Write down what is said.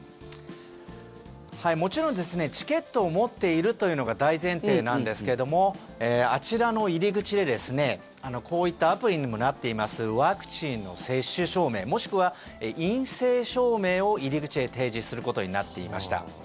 もちろんチケットを持っているというのが大前提なんですけれどもあちらの入り口でこういったアプリにもなっているワクチンの接種証明もしくは陰性証明を入り口で提示することになっていました。